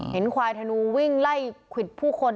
เห็นควายถนูวิ่งไล่ขวิดผู้คน